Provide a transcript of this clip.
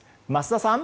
桝田さん！